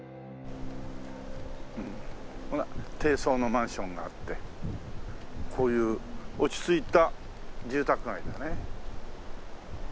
ほら低層のマンションがあってこういう落ち着いた住宅街だね。